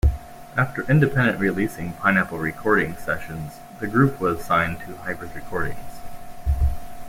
After independently releasing "Pineapple Recording Sessions", the group was signed to Hybrid Recordings.